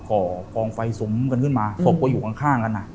่อกองไฟสุมกันขึ้นมาศพก็อยู่ข้างกันอ่ะ